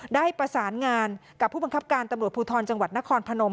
ได้ประสานงานกับผู้บังคับการตำรวจภูทรจังหวัดนครพนม